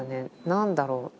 何だろう。